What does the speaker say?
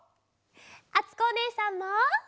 あつこおねえさんも！